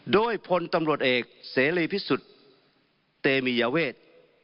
โดยพลตำรวจเอกเสรีพิสุทธิ์เตมียเวท